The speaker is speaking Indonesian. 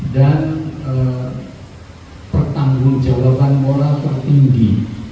dan bertanggung jawaban moral tertinggi